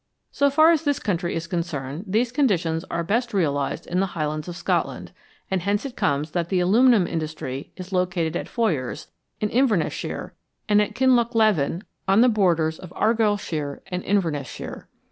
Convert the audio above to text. So far as this country is concerned, these conditions are best realised in the Highlands of Scotland, and hence it comes that the aluminium industry is located at Foyers, in Inverness sliire, and at Kinlochleven, on the borders of Argyllshire and Inverness shire.